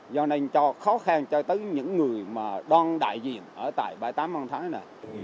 do nên cho khó khăn cho tới những người mà đang đại diện ở tại bãi tắm văn thái này